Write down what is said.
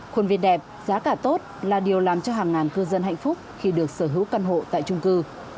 khuôn viên đẹp giá cả tốt là điều làm cho hàng ngàn cư dân hạnh phúc khi được sở hữu căn hộ tại trung cư